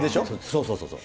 そうそうそうそう。